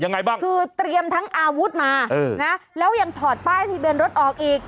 ยังไงบ้างคือเตรียมทั้งอาวุธมาเออนะแล้วยังถอดป้ายทะเบียนรถออกอีก